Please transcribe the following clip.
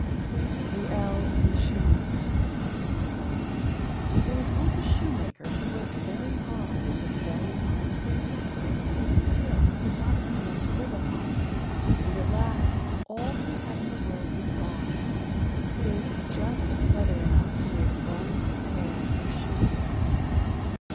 THE ELVES AND THE SHOEMAKER There was once a shoemaker, who worked very hard and was very honest: but still he could not earn enough to live upon; and at last all he had in the world was gone, save just leather enough to make one pair of shoes.